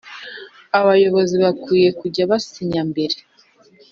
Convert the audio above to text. Abayobozi bakwiye kujya basinya mbere